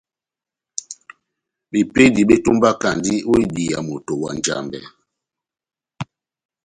Bepédi bétómbakandi ó idiya moto na Njambɛ.